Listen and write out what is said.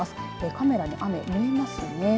カメラでも雨、見えますね。